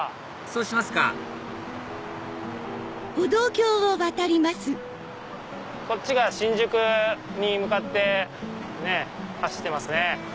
そうしますかこっちが新宿に向かって走ってますね。